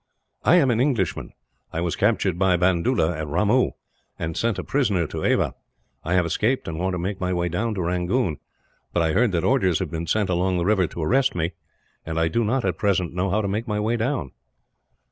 "I am an Englishman I was captured by Bandoola, at Ramoo, and sent a prisoner to Ava. I have escaped, and want to make my way down to Rangoon; but I heard that orders had been sent along the river to arrest me, and I do not, at present, know how to make my way down."